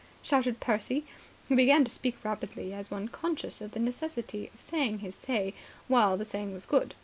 shouted Percy. He began to speak rapidly, as one conscious of the necessity of saying his say while the saying was good.